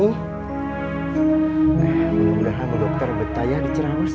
mudah mudahan bu dokter betah ya di cerah mas